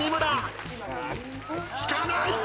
引かない！